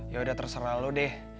yaudah terserah lo deh